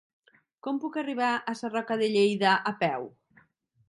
Com puc arribar a Sarroca de Lleida a peu?